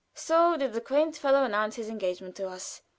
So did the quaint fellow announce his engagement to us.